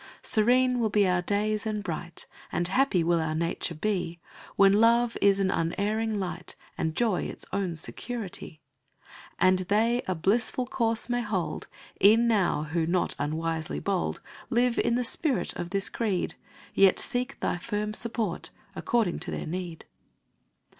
Serene will be our days and bright And happy will our nature be When love is an unerring light, And joy its own security. And they a blissful course may hold Ev'n now, who, not unwisely bold, Live in the spirit of this creed; Yet seek thy firm support, according to their need.